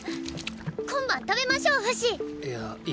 今晩食べましょうフシ！いやいい。